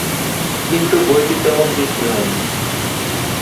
কিন্তু বইটি তেমন বিক্রি হয়নি।